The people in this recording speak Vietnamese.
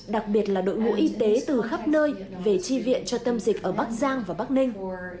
đặc biệt là đội ngũ y tế từ khắp nơi về tri viện cho tâm dịch ở bắc giang và bắc ninh